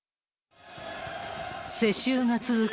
世襲が続く